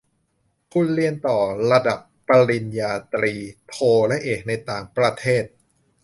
ทุนเรียนต่อระดับปริญญาตรี โท และเอก ในต่างประเทศ